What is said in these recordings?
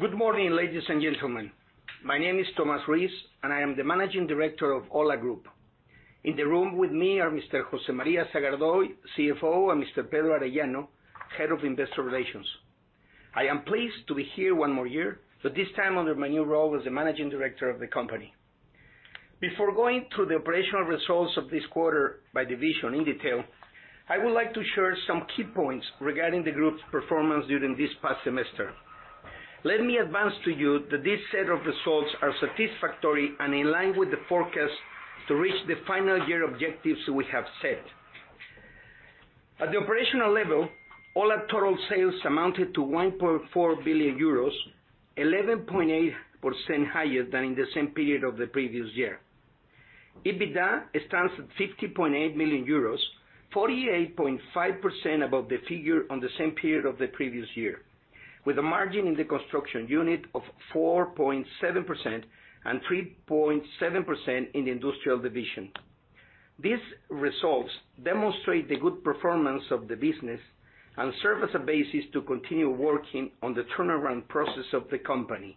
Good morning, ladies and gentlemen. My name is Tomás Ruiz, and I am the Managing Director of OHLA Group. In the room with me are Mr. José María Sagardoy, CFO, and Mr. Pedro Arellano, Head of Investor Relations. I am pleased to be here one more year, but this time under my new role as the Managing Director of the company. Before going through the operational results of this quarter by division in detail, I would like to share some key points regarding the group's performance during this past semester. Let me advance to you that these set of results are satisfactory and in line with the forecast to reach the final year objectives we have set. At the operational level, OHLA total sales amounted to 1.4 billion euros, 11.8% higher than in the same period of the previous year. EBITDA stands at 50.8 million euros, 48.5% above the figure on the same period of the previous year, with a margin in the construction unit of 4.7% and 3.7% in the industrial division. These results demonstrate the good performance of the business and serve as a basis to continue working on the turnaround process of the company.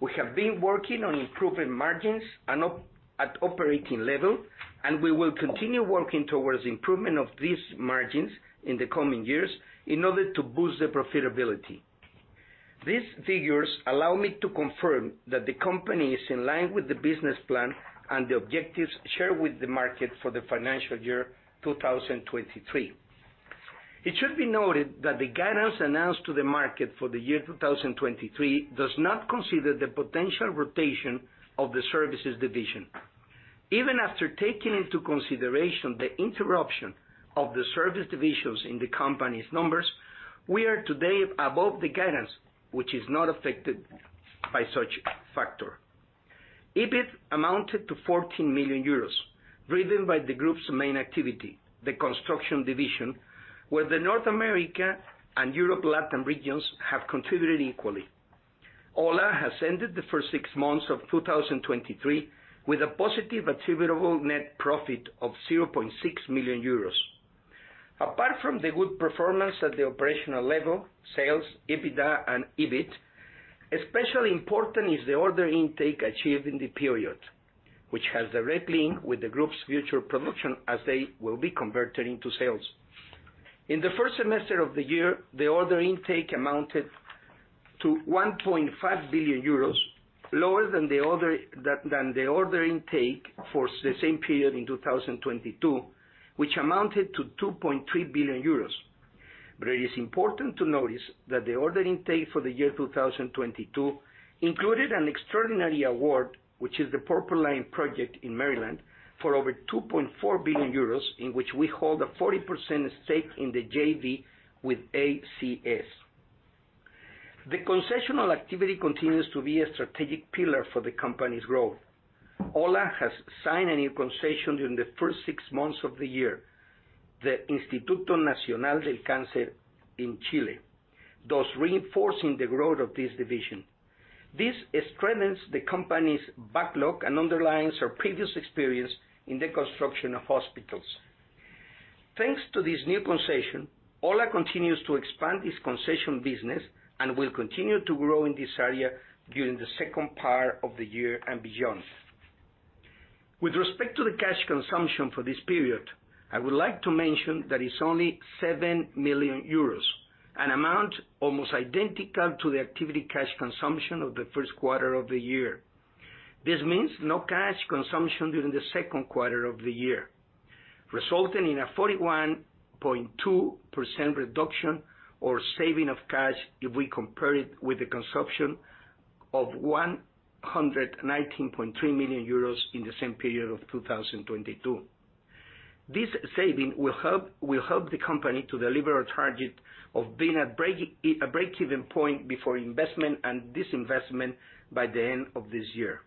We have been working on improving margins at operating level, and we will continue working towards improvement of these margins in the coming years in order to boost the profitability. These figures allow me to confirm that the company is in line with the business plan and the objectives shared with the market for the financial year 2023. It should be noted that the guidance announced to the market for the year 2023 does not consider the potential rotation of the services division. Even after taking into consideration the interruption of the service divisions in the company's numbers, we are today above the guidance, which is not affected by such factor. EBIT amounted to 14 million euros, driven by the group's main activity, the construction division, where the North America and Europe, Latin regions have contributed equally. OHLA has ended the first six months of 2023 with a positive attributable net profit of 0.6 million euros. Apart from the good performance at the operational level, sales, EBITDA, and EBIT, especially important is the order intake achieved in the period, which has a direct link with the group's future production, as they will be converted into sales. In the first semester of the year, the order intake amounted to 1.5 billion euros, lower than the other, than the order intake for the same period in 2022, which amounted to 2.3 billion euros. It is important to notice that the order intake for the year 2022 included an extraordinary award, which is the Purple Line project in Maryland, for over 2.4 billion euros, in which we hold a 40% stake in the JV with ACS. The concessional activity continues to be a strategic pillar for the company's growth. OHLA has signed a new concession during the first 6 months of the year, the Instituto Nacional del Cáncer en Chile, thus reinforcing the growth of this division. This strengthens the company's backlog and underlines our previous experience in the construction of hospitals. Thanks to this new concession, OHLA continues to expand its concession business and will continue to grow in this area during the second part of the year and beyond. With respect to the cash consumption for this period, I would like to mention that it's only 7 million euros, an amount almost identical to the activity cash consumption of the first quarter of the year. This means no cash consumption during the second quarter of the year, resulting in a 41.2% reduction or saving of cash if we compare it with the consumption of 119.3 million euros in the same period of 2022. This saving will help the company to deliver a target of being at a break-even point before investment and disinvestment by the end of this year.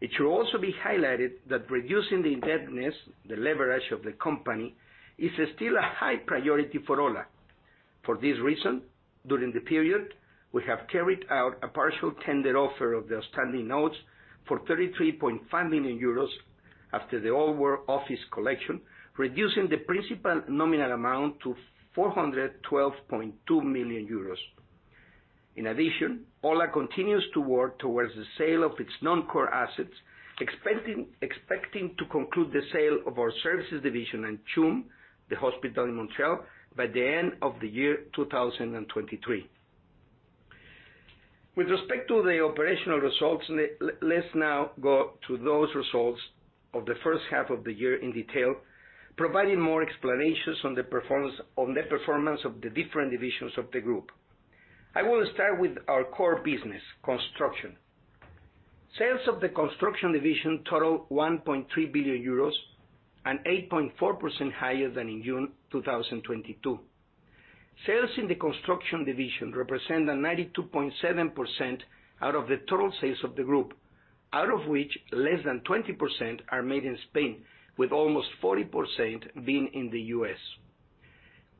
It should also be highlighted that reducing the indebtedness, the leverage of the company, is still a high priority for OHLA. For this reason, during the period, we have carried out a partial tender offer of the outstanding notes for 33.5 million euros after the old office collection, reducing the principal nominal amount to 412.2 million euros. In addition, OHLA continues to work towards the sale of its non-core assets, expecting to conclude the sale of our services division in June, the hospital in Montreal, by the end of the year 2023. With respect to the operational results, let's now go to those results of the first half of the year in detail, providing more explanations on the performance of the different divisions of the group. I will start with our core business, construction. Sales of the construction division total 1.3 billion euros and 8.4% higher than in June 2022. Sales in the construction division represent a 92.7% out of the total sales of the group, out of which less than 20% are made in Spain, with almost 40% being in the U.S.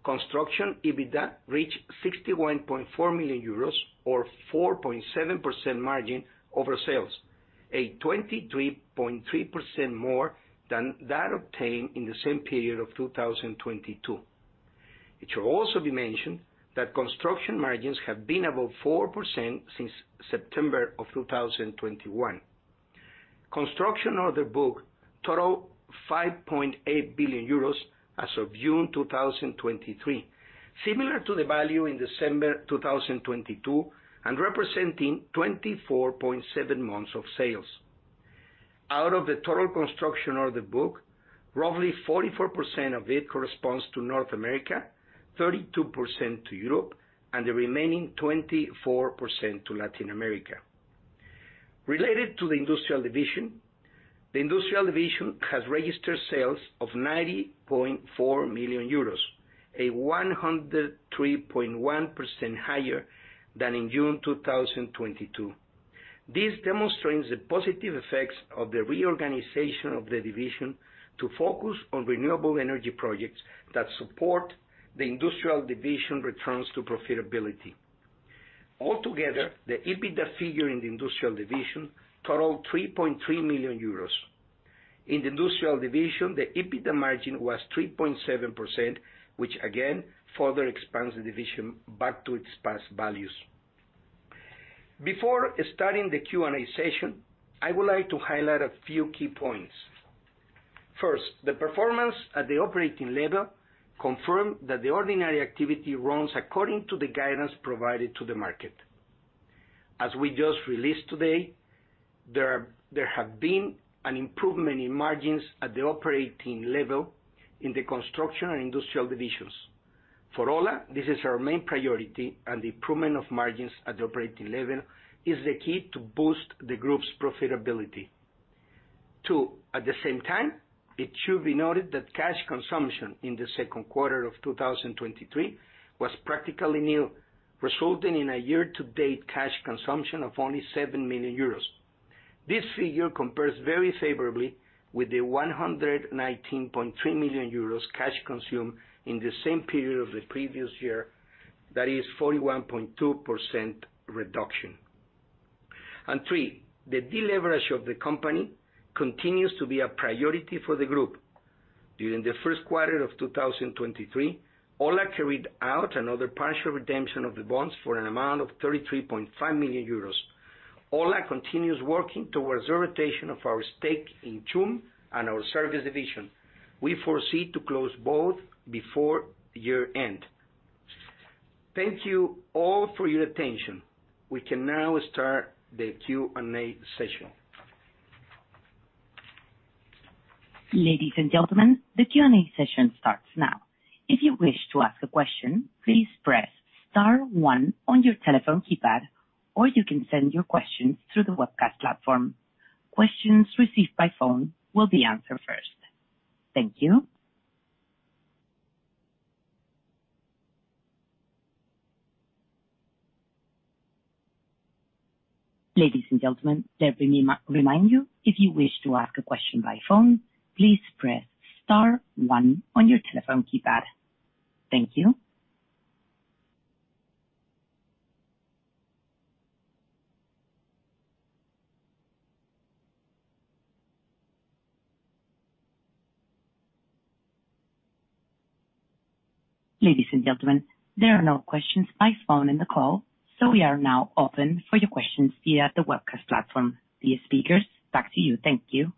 Construction EBITDA reached 61.4 million euros or 4.7% margin over sales. a 23.3% more than that obtained in the same period of 2022. It should also be mentioned that construction margins have been above 4% since September 2021. Construction order book total 5.8 billion euros as of June 2023, similar to the value in December 2022, and representing 24.7 months of sales. Out of the total construction order book, roughly 44% of it corresponds to North America, 32% to Europe, and the remaining 24% to Latin America. Related to the industrial division, the industrial division has registered sales of 90.4 million euros, a 103.1% higher than in June 2022. This demonstrates the positive effects of the reorganization of the division to focus on renewable energy projects that support the industrial division returns to profitability. Altogether, the EBITDA figure in the industrial division totaled 3.3 million euros. In the industrial division, the EBITDA margin was 3.7%, which again, further expands the division back to its past values. Before starting the Q&A session, I would like to highlight a few key points. First, the performance at the operating level confirmed that the ordinary activity runs according to the guidance provided to the market. As we just released today, there have been an improvement in margins at the operating level in the construction and industrial divisions. For OHLA, this is our main priority, and the improvement of margins at the operating level is the key to boost the group's profitability. Two, at the same time, it should be noted that cash consumption in the second quarter of 2023 was practically nil, resulting in a year-to-date cash consumption of only 7 million euros. This figure compares very favorably with the 119.3 million euros cash consumed in the same period of the previous year, that is 41.2% reduction. Three, the deleverage of the company continues to be a priority for the group. During the first quarter of 2023, OHLA carried out another partial redemption of the bonds for an amount of 33.5 million euros. OHLA continues working towards the rotation of our stake in CHUM and our service division. We foresee to close both before year-end. Thank you all for your attention. We can now start the Q&A session. Ladies and gentlemen, the Q&A session starts now. If you wish to ask a question, please press star one on your telephone keypad, or you can send your questions through the webcast platform. Questions received by phone will be answered first. Thank you. Ladies and gentlemen, let me re-remind you, if you wish to ask a question by phone, please press star one on your telephone keypad. Thank you. Ladies and gentlemen, there are no questions by phone in the call, so we are now open for your questions via the webcast platform. Dear speakers, back to you. Thank you.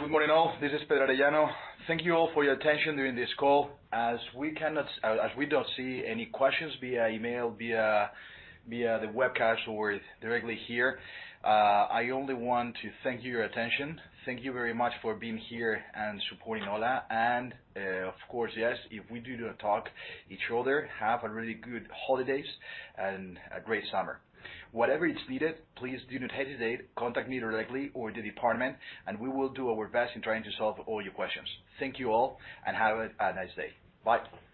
Good morning, all. This is Pedro Arellano. Thank you all for your attention during this call. As we cannot, as we don't see any questions via email, via, via the webcast or directly here, I only want to thank you your attention. Thank you very much for being here and supporting OHLA, and, of course, yes, if we do not talk each other, have a really good holidays and a great summer. Whatever is needed, please do not hesitate, contact me directly or the department, and we will do our best in trying to solve all your questions. Thank you all, and have a nice day. Bye.